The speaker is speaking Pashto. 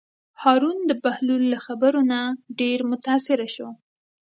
هارون د بهلول له خبرو نه ډېر متأثره شو.